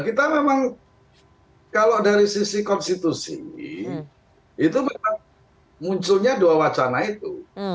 kita memang kalau dari sisi konstitusi itu memang munculnya dua wacana itu